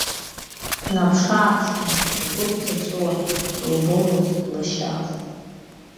Днаԥш-ааԥшуан, лгәы дҭаҵәыуон, дылбомызт лашьа.